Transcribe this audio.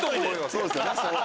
そうですよね